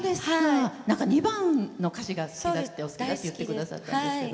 ２番の歌詞が好きだって言ってくださったんですけど。